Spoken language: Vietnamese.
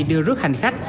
đưa rước hành khách